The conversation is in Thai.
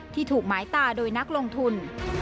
ที่ถูกหมายตาโดยนักลงทุน